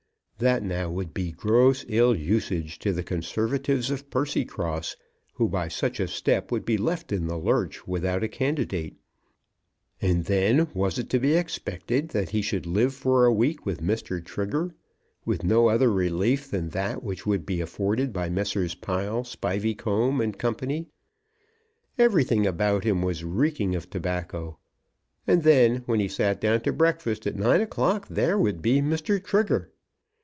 That now would be gross ill usage to the Conservatives of Percycross, who by such a step would be left in the lurch without a candidate. And then was it to be expected that he should live for a week with Mr. Trigger, with no other relief than that which would be afforded by Messrs. Pile, Spiveycomb, and Co. Everything about him was reeking of tobacco. And then, when he sat down to breakfast at nine o'clock there would be Mr. Trigger!